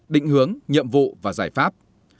hai định hướng nhiệm vụ và giải pháp